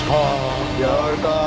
やられた。